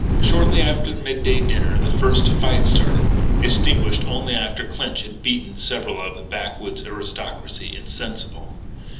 Shortly after midday dinner the first fight started extinguished only after Clinch had beaten several of the backwoods aristocracy insensible.